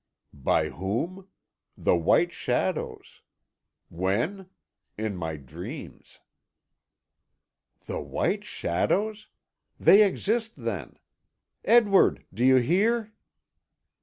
"By whom? The white shadows. When? In my dreams." "The white shadows! They exist then! Edward, do you hear?"